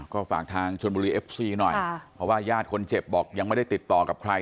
ก็ฝากทางชนบุรีเอฟซีหน่อยเพราะว่าญาติคนเจ็บบอกยังไม่ได้ติดต่อกับใคร